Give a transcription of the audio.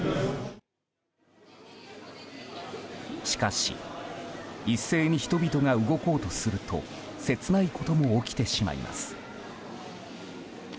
しかし一斉に人々が動こうとすると切ないことも起きてしまいます。